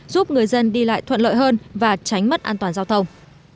giúp người dân đi lại thuận lợi hơn và tránh mất an toàn giao thông